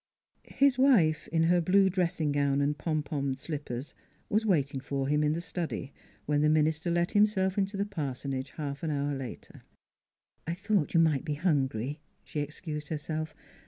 ..." His wife, in her blue dressing gown and pom ponned slippers, was waiting for him in the study when the minister let himself into the parsonage half an hour later. " I thought you might be hungry," she ex cused herself.